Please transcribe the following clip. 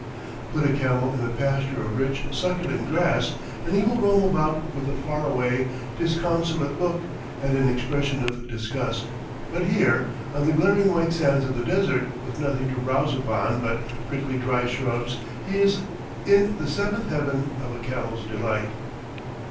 Put a camel in a pasture of rich, succulent grass and he will roam about with a far away, disconsolate look and an expression of disgust, but here, on the glaring white sands of the desert with nothing to browse upon but prickly dry shrubs he is in the seventh 'heaven of a camel's delight.